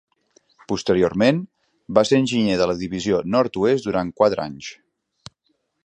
Posteriorment, va ser enginyer de la divisió nord-oest durant quatre anys